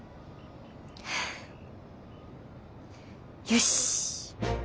よし！